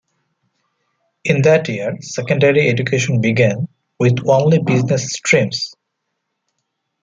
In that year, secondary education began, with only business streams.